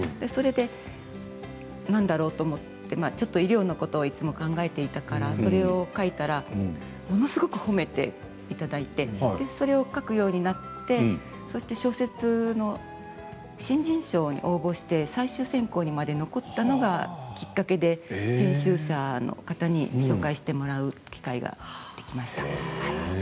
それで、何だろうと思ってちょっと医療のことをいつも考えていたからそれを書いたらものすごく褒めていただいてで、それを書くようになってそして小説の新人賞に応募して最終選考にまで残ったのがきっかけで編集者の方に紹介してもらう機会ができました。